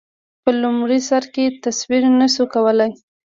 په لومړي سر کې تصور نه شو کولای.